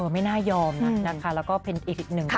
ไม่น่ายอมนะนะคะแล้วก็เป็นอีกหนึ่ง